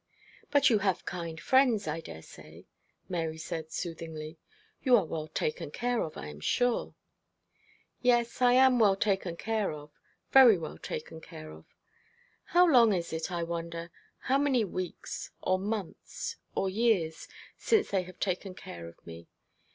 'But you have kind friends, I dare say,' Mary said, soothingly. 'You are well taken care of, I am sure.' 'Yes, I am well taken care of very well taken care of. How long is it, I wonder how many weeks, or months, or years, since they have taken care of me?